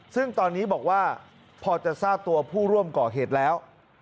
ซึ่งตอนนี้บอกว่าพอจะทราบตัวผู้ร่วมก่อเหตุแล้ว